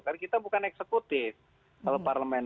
karena kita bukan eksekutif kalau parlemen